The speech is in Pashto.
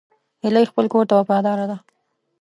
هیلۍ خپل کور ته وفاداره ده